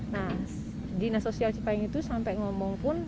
nah dinas sosial cipayung itu sampai ngomong pun